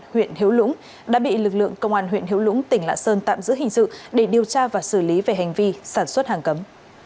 huyện hiểu lũng đã bị lực lượng công an huyện hiểu lũng tỉnh lạng sơn tạm giữ hình sự để điều tra và xử lý về hành vi sản xuất hàng cấm